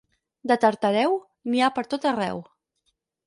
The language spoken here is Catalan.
De Tartareu, n'hi ha pertot arreu.